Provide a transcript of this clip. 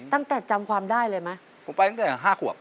ตั้งแต่จำความได้เลยไหม